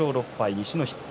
西の筆頭。